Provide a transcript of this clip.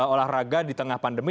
olahraga di tengah pandemi